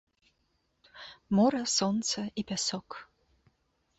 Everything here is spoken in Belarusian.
Мора, сонца і пясок.